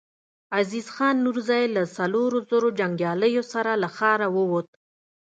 عزيز خان نورزی له څلورو زرو جنګياليو سره له ښاره ووت.